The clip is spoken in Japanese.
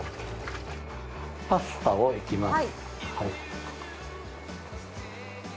パスタをいきます。